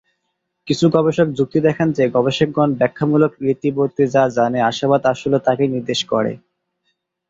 কিছু গবেষক যুক্তি দেখান যে গবেষকগণ ব্যাখ্যামূলক রীতি বলতে যা জানে আশাবাদ আসলে তাকেই নির্দেশ করে।